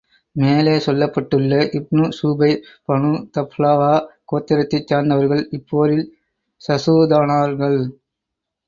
மேலே சொல்லப்பட்டுள்ள Ibn Zubair Banu Thalaba கோத்திரத்தைச் சார்ந்தவர்கள் இப்போரில் ஷஹீதானார்கள்.